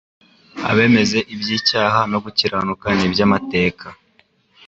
abemeze iby'icyaha no gukiranuka n'iby'amateka."